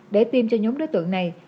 để tiêm cho nhóm đối tượng này